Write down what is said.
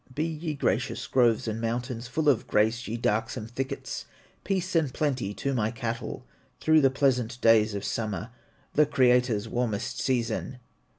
Be ye gracious, groves and mountains, Full of grace, ye darksome thickets, Peace and plenty to my cattle, Through the pleasant days of summer, The Creator's warmest season.